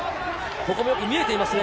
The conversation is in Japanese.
ここもよく見えていますね。